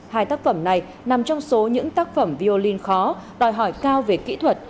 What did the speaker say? hai tác phẩm này nằm trong số những tác phẩm violin khó đòi hỏi cao về kỹ thuật